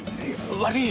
悪い！